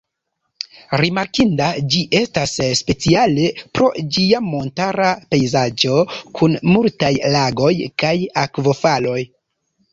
Rimarkinda ĝi estas speciale pro ĝia montara pejzaĝo kun multaj lagoj kaj akvofaloj.